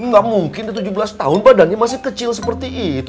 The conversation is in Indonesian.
nggak mungkin tujuh belas tahun badannya masih kecil seperti itu